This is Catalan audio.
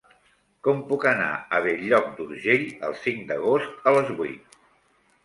Com puc anar a Bell-lloc d'Urgell el cinc d'agost a les vuit?